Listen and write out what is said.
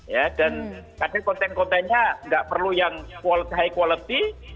ya dan kadang konten kontennya nggak perlu yang high quality